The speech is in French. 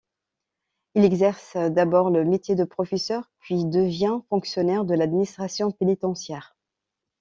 Il exerce d'abord le métier de professeur, puis devient fonctionnaire de l'administration pénitentiaire.